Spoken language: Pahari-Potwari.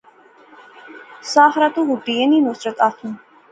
ساحرہ ، تو ہوٹی اینی، نصرت آخنی